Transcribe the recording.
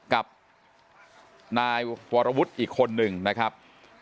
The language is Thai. กับนายวรวุฒิอีกคนนึงนะครับ